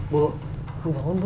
bu bangun bu